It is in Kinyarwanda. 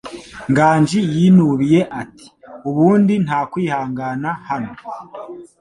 Nganji yinubiye ati: "Ubundi, nta kwihangana hano."